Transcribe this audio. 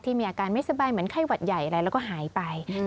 มีอาการไม่สบายเหมือนไข้หวัดใหญ่อะไรแล้วก็หายไป